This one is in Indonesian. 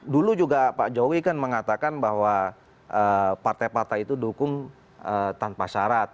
dulu juga pak jokowi kan mengatakan bahwa partai partai itu dukung tanpa syarat